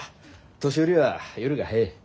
年寄りは夜が早い。